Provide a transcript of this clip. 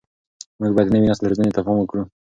موږ باید د نوي نسل روزنې ته پام وکړو.